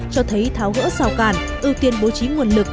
cho thấy tháo gỡ rào cản ưu tiên bố trí nguồn lực